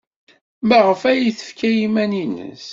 Maɣef ay tefka iman-nnes?